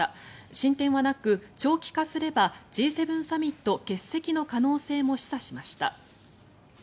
進展はなく長期化すればＧ７サミット欠席の可能性も示唆しました。